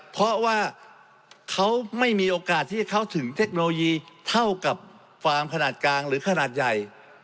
เพราะว่าเขาไม่มีโอกาสที่จะเข้าถึงเทคโนโลยีเท่ากับฟาร์มขนาดกลางหรือขนาดใหญ่